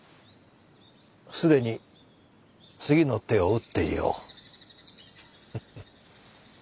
既に次の手を打っていよう。